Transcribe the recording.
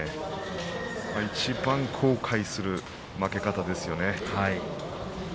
いちばん後悔する負け方ですよね。